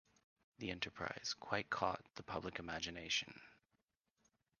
The enterprise quite caught the public imagination.